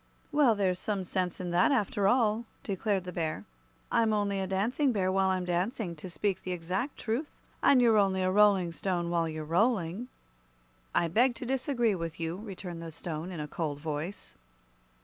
"Well, there's some sense in that, after all," declared the Bear. "I'm only a Dancing Bear while I'm dancing, to speak the exact truth; and you're only a Rolling Stone while you're rolling." "I beg to disagree with you," returned the Stone, in a cold voice.